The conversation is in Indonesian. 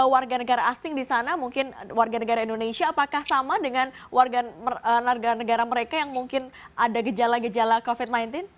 warga negara asing di sana mungkin warga negara indonesia apakah sama dengan warga negara mereka yang mungkin ada gejala gejala covid sembilan belas